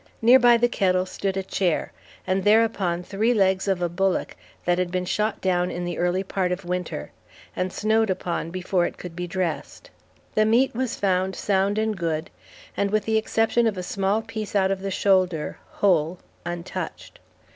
Near by the kettle stood a chair, and thereupon three legs of a bullock that had been shot down in the early part of winter, and snowed upon before it could be dressed. The meat was found sound and good, and with the exception of a small piece out of the shoulder, whole, untouched.